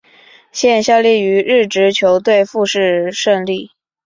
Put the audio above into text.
现效力于日职球队富山胜利。